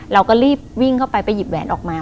เราก็รีบวิ่งเข้าไปไปหยิบแหวนออกมา